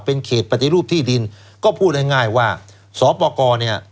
เป็นเขตปฏิรูปที่ดินก็พูดง่ายง่ายว่าสอปกรเนี่ย